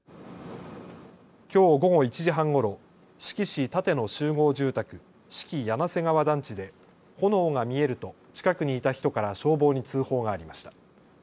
きょう午後１時半ごろ、志木市館の集合住宅、志木柳瀬川団地で炎が見えると近くにいた人から消防に通報がありました。